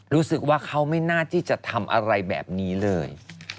รู้สึกว่าเขาไม่น่าที่จะทำอะไรแบบนี้เลย